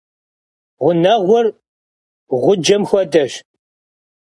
Ğuneğur ğucem xuedeş.